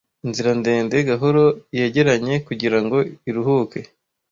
Inzira ndende gahoro yegeranye kugirango iruhuke,